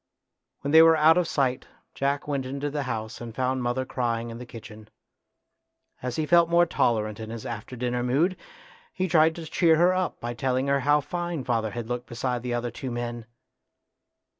When they were out of sight Jack went into the house and found mother crying in the kitchen. As he felt more tolerant in his after dinner mood, he tried to cheer her up by telling her how fine father had looked beside the other two men.